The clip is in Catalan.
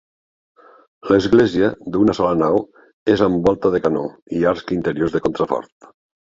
L'església d'una sola nau, és amb volta de canó i arcs interiors de contrafort.